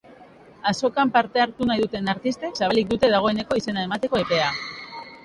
Azokan parte hartu nahi duten artistek zabalik dute dagoeneko izena emateko epea.